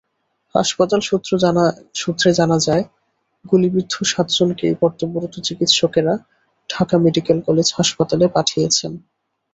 হাসপাতাল সূত্রে জানা যায়, গুলিবিদ্ধ সাতজনকেই কর্তব্যরত চিকিৎসকেরা ঢাকা মেডিকেল কলেজ হাসপাতালে পাঠিয়েছেন।